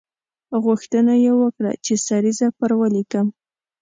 غوښتنه یې وکړه چې سریزه پر ولیکم.